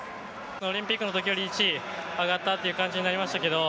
オリンピックのときより１位、上がったという感じですけど、